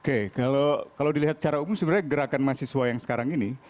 oke kalau dilihat secara umum sebenarnya gerakan mahasiswa yang sekarang ini